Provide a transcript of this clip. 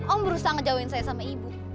om berusaha ngejawain saya sama ibu